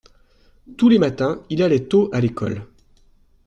Tous les matins il allait tôt à l’école.